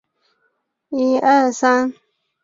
隶属于青二制作。